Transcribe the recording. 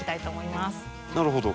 なるほど。